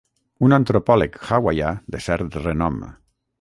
Un antropòleg hawaià de cert renom.